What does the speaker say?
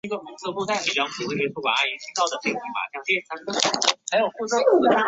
广义矩估计发展而来。